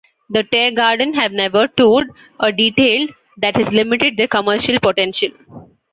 The Tear Garden have never toured, a detail that has limited their commercial potential.